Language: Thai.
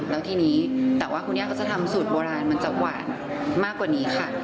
แล้วทีนี้แต่ว่าคุณย่าเขาจะทำสูตรโบราณมันจะหวานมากกว่านี้ค่ะ